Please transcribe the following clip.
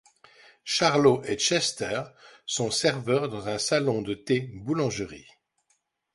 Charlot et Chester sont serveurs dans un salon de thé-boulangerie.